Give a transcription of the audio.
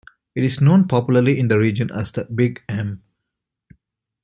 It is known popularly in the region as "The Big M".